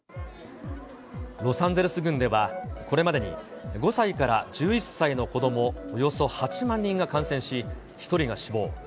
ロサンゼルス郡では、これまでに５歳から１１歳の子どもおよそ８万人が感染し、１人が死亡。